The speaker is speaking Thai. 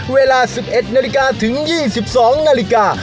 เวลา๑๑นาฬิกาถึง๒๒นาฬิกา